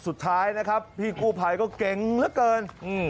สุดท้ายนะครับพี่กู้ไภก็เก่งข้าวละเกิน